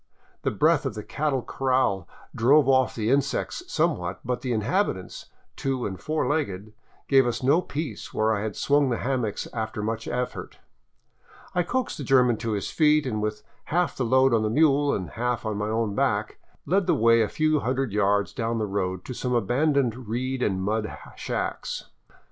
The breath of the cattle corral drove off the insects somewhat, but the inhabitants, two and four legged, gave us no peace where I had swung the hammocks after much effort I coaxed the German to his feet, and with half the load on the mule, half on my own back, led the way a few hundred yards down the road to some abandoned reed and mud shacks.